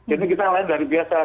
ini kita lain dari biasa